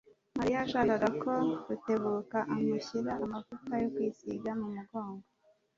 Mariya yashakaga ko Rutebuka amushyira amavuta yo kwisiga mumugongo.